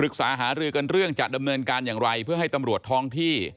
เกินเรื่องจัดดำเนินการอย่างไรเพื่อให้ตำรวจท้องที่